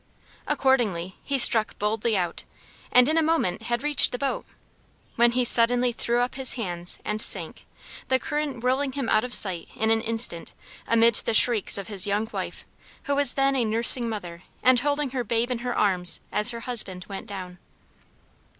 Accordingly, he struck boldly out, and in a moment had reached the boat, when he suddenly threw up his hands and sank, the current whirling him out of sight in an instant, amid the shrieks of his young wife, who was then a nursing mother and holding her babe in her arms as her husband went down.